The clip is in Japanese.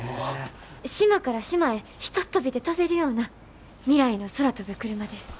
島から島へひとっ飛びで飛べるような未来の空飛ぶクルマです。